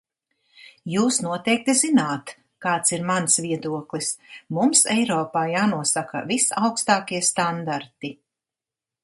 Jūs noteikti zināt, kāds ir mans viedoklis: mums Eiropā jānosaka visaugstākie standarti.